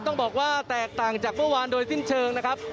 ต้องบอกว่าแตกต่างจากเมื่อวานโดยสิ้นเชิงนะครับ